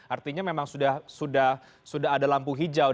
artinya memang sudah ada lampu hijau